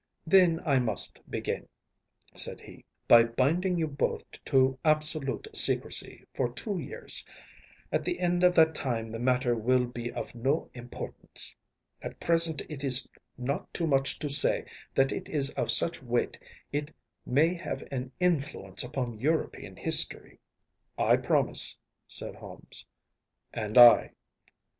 “Then I must begin,‚ÄĚ said he, “by binding you both to absolute secrecy for two years; at the end of that time the matter will be of no importance. At present it is not too much to say that it is of such weight it may have an influence upon European history.‚ÄĚ “I promise,‚ÄĚ said Holmes. “And I.